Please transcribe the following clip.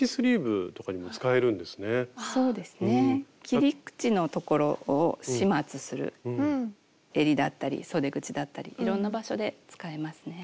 切り口のところを始末するえりだったりそで口だったりいろんな場所で使えますね。